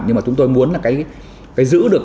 nhưng mà chúng tôi muốn là cái giữ được